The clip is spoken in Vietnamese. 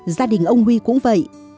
gia đình ông huy cũng vậy